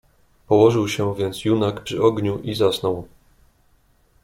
"Położył się więc junak przy ogniu i zasnął."